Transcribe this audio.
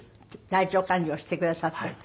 体調管理をしてくださった。